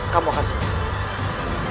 kamu akan sempurna